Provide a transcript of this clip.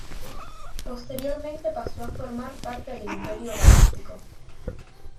Posteriormente pasó a formar parte del Imperio Galáctico.